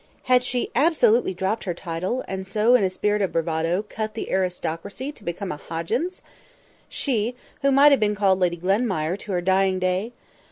Had she absolutely dropped her title, and so, in a spirit of bravado, cut the aristocracy to become a Hoggins! She, who might have been called Lady Glenmire to her dying day!